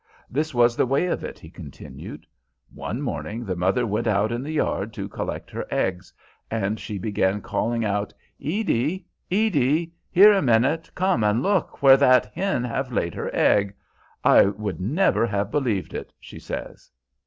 "This was the way of it," he continued. "One morning the mother went out in the yard to collect her eggs, and she began calling out 'Edie, Edie, here a minute, come and look where that hen have laid her egg; I would never have believed it' she says.